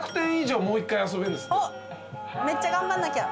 めっちゃ頑張んなきゃ。